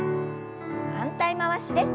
反対回しです。